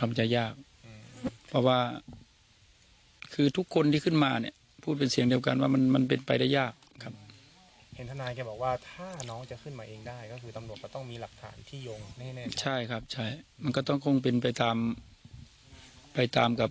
ถ้าว่าพูดถึงเรื่องวิทยาศาสตร์นิติวิทยาศาสตร์ก็ต้องมีหลักฐานต่าง